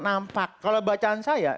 nampak kalau bacaan saya